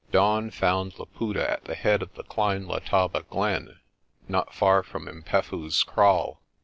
Dawn found Laputa at the head of the Klein Letaba glen, not far from 'Mpefu's kraal.